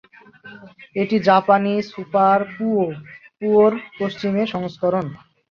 এটি জাপানি "super Puyo পুয়ো"র পশ্চিমা সংস্করণ।